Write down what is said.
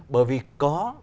bởi vì có